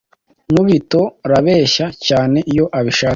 NKUBITO rabeshya cyane iyo abishatse